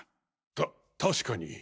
た確かに。